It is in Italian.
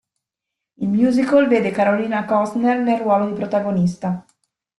Il musical vede Carolina Kostner nel ruolo di protagonista.